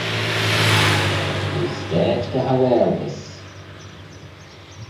T'eh stayd dy haualtys.